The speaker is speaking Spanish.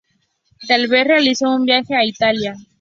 Tal vez realizó un viaje a Italia.